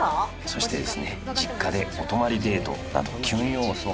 そしてですね実家でお泊まりデートなどキュン要素